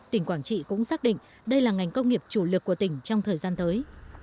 tỉnh quảng trị cũng xác định đây là ngành công nghiệp chủ lực của tỉnh trong thời gian tới